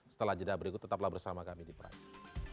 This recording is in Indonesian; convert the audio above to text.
setelah jeda berikut tetaplah bersama kami di prime